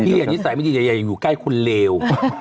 ด้วยยังว่านิสัยไม่ดีอย่าอยู่ใกล้คนเลว